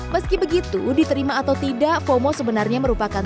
meski begitu diterima atau tidak fomo sebenarnya merupakan